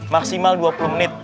maksimal dua puluh menit